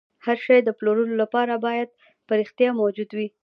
هر شی د پلورلو لپاره باید په رښتیا موجود وي